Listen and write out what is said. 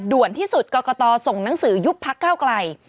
ที่สุดกรกตส่งหนังสือยุบพักเก้าไกล